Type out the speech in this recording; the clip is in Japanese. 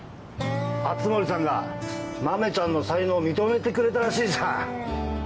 熱護さんが豆ちゃんの才能を認めてくれたらしいじゃん。